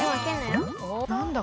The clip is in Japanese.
何だ？